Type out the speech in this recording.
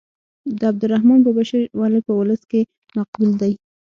د عبدالرحمان بابا شعر ولې په ولس کې مقبول دی.